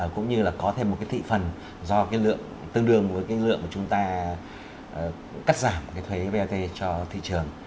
cũng như là có thêm một thị phần do tương đương với lượng chúng ta cắt giảm thuế vat cho thị trường